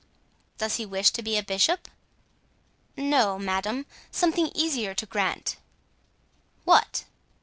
"Does he wish to be a bishop?" "No, madame, something easier to grant." "What?"